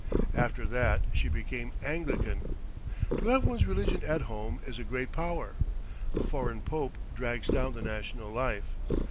After that she became Anglican. To have one's religion at home is a great power. A foreign pope drags down the national life.